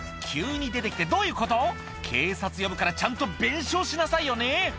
急に出て来てどういうこと⁉」「警察呼ぶからちゃんと弁償しなさいよね！」